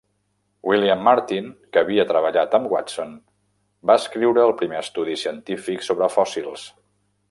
William Martin, que havia treballat amb Watson, va escriure el primer estudi científic sobre fòssils.